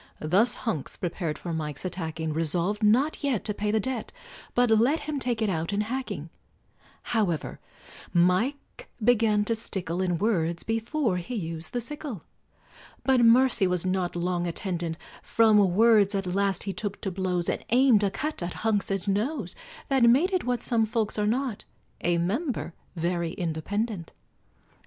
Thus Hunks prepared for Mike's attacking, Resolved not yet to pay the debt, But let him take it out in hacking; However, Mike began to stickle In words before he used the sickle; But mercy was not long attendant: From words at last he took to blows, And aimed a cut at Hunks's nose, That made it what some folks are not A member very independent.